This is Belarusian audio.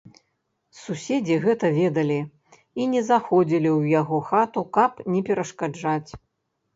Суседзі гэта ведалі і не заходзілі ў яго хату, каб не перашкаджаць.